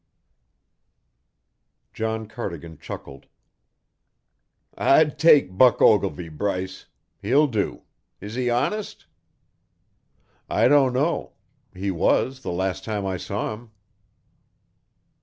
B. John Cardigan chuckled. "I'd take Buck Ogilvy, Bryce. He'll do. Is he honest?" "I don't know. He was, the last time I saw him."